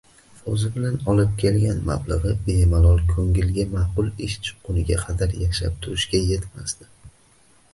Oʻzi bilan olib kelgan mablagʻi bemalol koʻngliga maqul ish chiqquniga qadar yashab turishga yetmasdi.